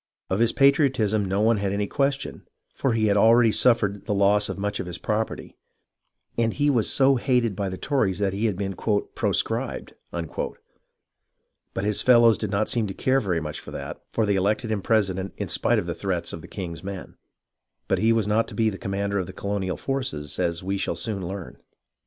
Of his patriotism no one had any question, for he had already suffered the loss of much of his property, and he was so hated by the Tories that he had been " pro scribed "; but his fellows did not seem to care very much for that, for they elected him president in spite of the threats of the king's men ; but he was not to be the commander of the colonial forces, as we shall soon learn.